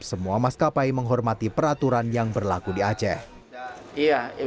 semua orang yang dikeluarkan akan berhijab